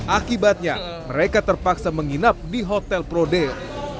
akibatnya mereka terpaksa menginap di hotel prodeo